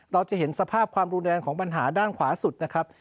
เราจะเห็นสภาพความรุนแรงของปัญหาด้านขวาสุดนะครับ